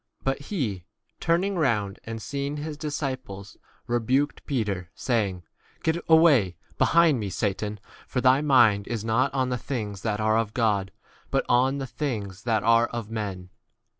But he, turning round and seeing his dis ciples, rebuked Peter, saying, b Get away behind me, Satan, for thy mind is not on the things that are of God, but on the things that are 34 of men.